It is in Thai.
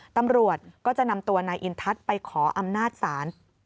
ตำรวจก็จะนำตัวนายอินทัศน์ไปขออำนาจศาล